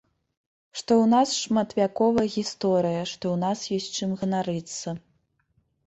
Што ў нас шматвяковая гісторыя, што ў нас ёсць чым ганарыцца.